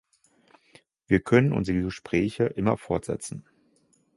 Wir können unsere Gespräche immer fortsetzen.